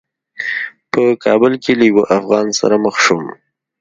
په کابل کې له یوه افغان سره مخ شوم.